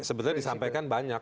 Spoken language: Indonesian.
sebenarnya disampaikan banyak